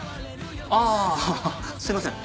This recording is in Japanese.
あぁすいません。